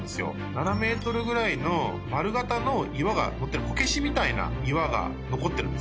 ７ｍぐらいの丸形の岩が載ってるこけしみたいな岩が残ってるんですね。